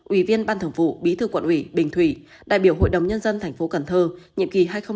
ủy viên ban thượng vụ bí thư quận ủy bình thủy đại biểu hội đồng nhân dân thành phố cần thơ nhiệm kỳ hai nghìn bốn hai nghìn chín